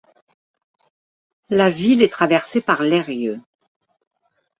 La ville est traversée par l'Eyrieux.